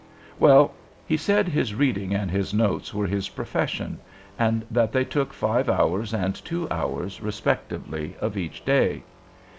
Well, he said his reading and his notes were his profession, and that they took five hours and two hours respectively of each day.